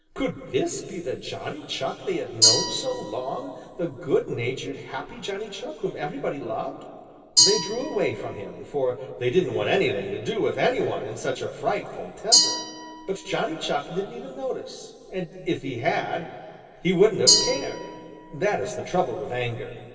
Could this be the Johnny Chuck they had known so long, the good natured, happy Johnny Chuck whom everybody loved? They drew away from him, for they didn't want anything to do with any one in such a frightful temper. But Johnny Chuck didn't even notice, and if he had he wouldn't have cared. That is the trouble with anger.